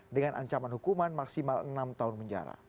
dengan ancaman hukuman maksimal enam tahun penjara